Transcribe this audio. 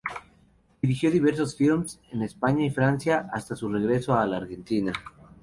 Dirigió diversos filmes en España y Francia hasta su regreso a la Argentina.